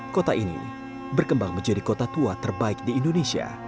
kota ini berkembang menjadi kota tua terbaik di indonesia